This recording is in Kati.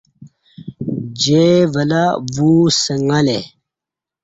جے ولہ وو سنگں لے